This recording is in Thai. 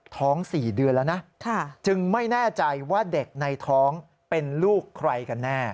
๔เดือนแล้วนะจึงไม่แน่ใจว่าเด็กในท้องเป็นลูกใครกันแน่